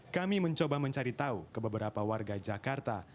kami mencoba mencari tahu ke beberapa warga jakarta